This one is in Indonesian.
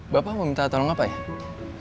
bapak mau minta tolong apa ya